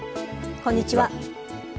こんにちは。